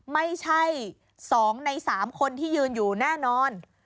ไม่ใช่๒ใน๓คนที่ยืนอยู่แน่นอน